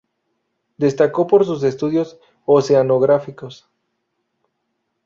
Destacó por sus estudios oceanográficos.